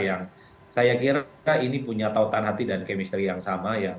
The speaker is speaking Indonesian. yang saya kira ini punya tautan hati dan kemisteri yang sama